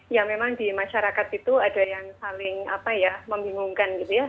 ya memang di masyarakat itu ada yang saling membingungkan gitu ya